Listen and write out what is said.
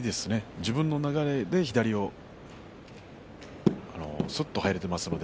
自分の流れで左をすっと入れていますので。